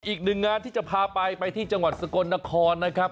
อีกหนึ่งงานที่จะพาไปไปที่จังหวัดสกลนครนะครับ